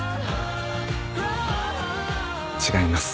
違います。